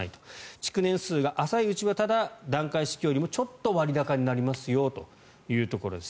築年数が浅いうちは段階式よりちょっと割高になりますよというところです。